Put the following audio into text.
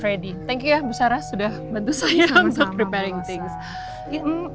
terima kasih ya bu sarah sudah bantu saya untuk mempersiapkan hal hal